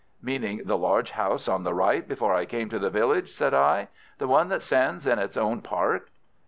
"Meaning the large house on the right before I came to the village?" said I. "The one that stands in its own park?"